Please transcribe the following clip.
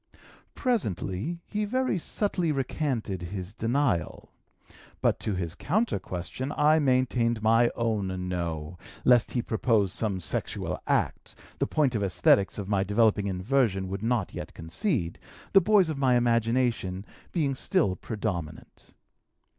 Presently he very subtly recanted his denial. But to his counter question I maintained my own no, lest he propose some sexual act, a point the esthetics of my developing inversion would not yet concede, the boys of my imagination being still predominant.